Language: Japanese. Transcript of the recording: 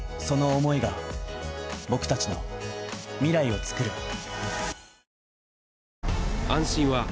その思いが僕達の未来をつくる